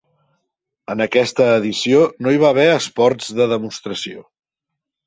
En aquesta edició no hi va haver esports de demostració.